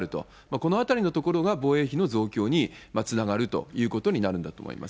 このあたりのところが防衛費の増強につながるということになるんだと思います。